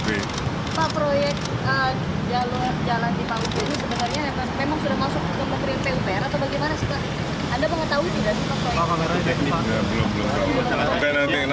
pak proyek jalan di maluku utara ini sebenarnya memang sudah masuk ke pukul sepuluh lima waktu indonesia barat atau bagaimana